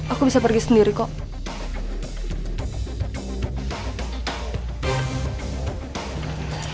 aku bisa pergi sendiri kok